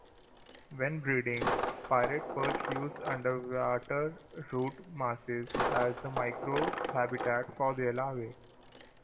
When breeding, pirate perch use underwater root masses as the microhabitat for their larvae.